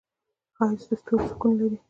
ښایست د ستورو سکون لري